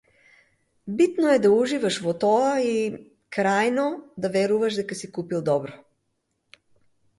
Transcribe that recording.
Битно е да уживаш во тоа и, крајно, да веруваш дека си купил добро.